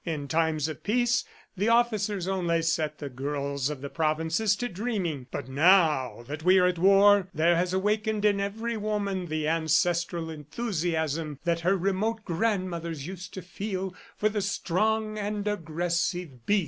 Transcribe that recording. In times of peace, the officers only set the girls of the provinces to dreaming; but now that we are at war, there has awakened in every woman the ancestral enthusiasm that her remote grandmothers used to feel for the strong and aggressive beast.